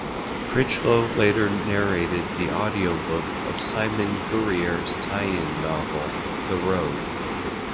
Crichlow later narrated the audiobook of Simon Guerrier's tie-in novel "The Road".